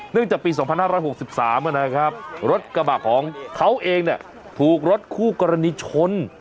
จากปี๒๕๖๓นะครับรถกระบะของเขาเองถูกรถคู่กรณีชน